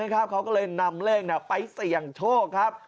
เขาก็เลยนำเลขไปเสี่ยงโชคครับ